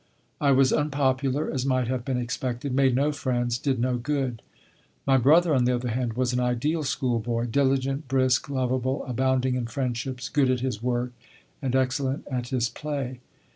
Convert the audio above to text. I was unpopular, as might have been expected, made no friends, did no good. My brother, on the other hand, was an ideal schoolboy, diligent, brisk, lovable, abounding in friendships, good at his work and excellent at his play.